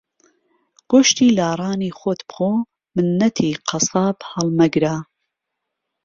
گۆشتی لاڕانی خۆت بخۆ مننەتی قەساب ھەڵمەگرە